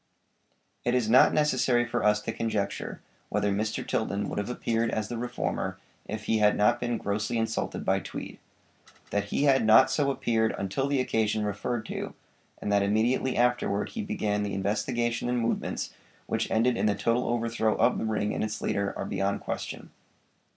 It is not necessary for us to conjecture whether Mr. Tilden would have appeared as the reformer if he had not been grossly insulted by Tweed. That he had not so appeared until the occasion referred to, and that immediately afterward he began the investigation and movements which ended in the total overthrow of the ring and its leader, are beyond question.